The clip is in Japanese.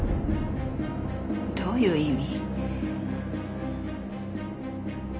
どういう意味？